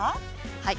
はい。